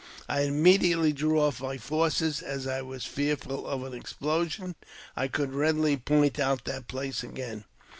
I immediately drew off my forces, as I was fearful of an explosion. I could readily point out the place again.